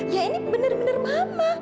ya ini bener bener mama